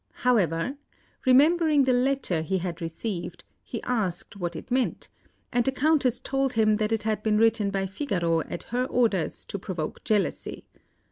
However, remembering the letter he had received, he asked what it meant, and the Countess told him that it had been written by Figaro at her orders to provoke jealousy.